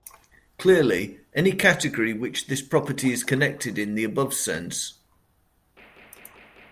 Clearly, any category which this property is connected in the above sense.